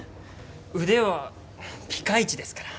腕はピカイチですから。